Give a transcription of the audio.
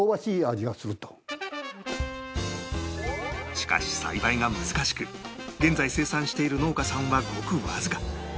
しかし栽培が難しく現在生産している農家さんはごくわずか